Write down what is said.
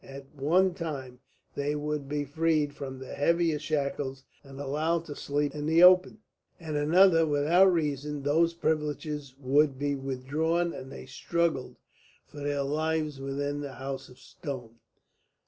At one time they would be freed from the heavier shackles and allowed to sleep in the open; at another, without reason, those privileges would be withdrawn, and they struggled for their lives within the House of Stone.